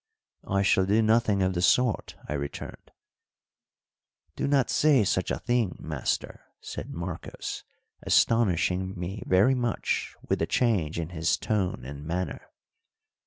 "I shall do nothing of the sort," I returned. "Do not say such a thing, master," said Marcos, astonishing me very much with the change in his tone and manner.